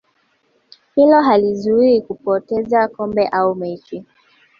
hilo halizuii kupoteza kombe au mechi